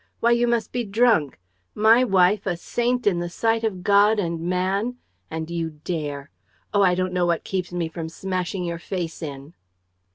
Why, you must be drunk! My wife, a saint in the sight of God and man! And you dare! Oh, I don't know what keeps me from smashing your face in!"